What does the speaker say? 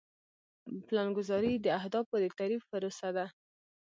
پلانګذاري د اهدافو د تعریف پروسه ده.